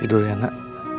tidur ya nak